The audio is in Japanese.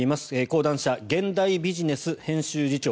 講談社、現代ビジネス編集次長